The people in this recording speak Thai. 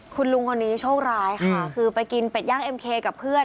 คุณลุงคนนี้โชคร้ายค่ะคือไปกินเป็ดย่างเอ็มเคกับเพื่อน